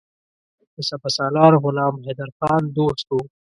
د سپه سالار غلام حیدرخان دوست وو.